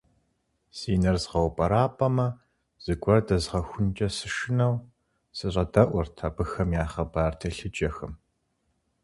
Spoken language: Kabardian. Си нэр згъэупӀэрапӀэмэ, зыгуэр дэзгъэхункӀэ сышынэу, сыщӀэдэӀурт абыхэм я хъыбар телъыджэхэм.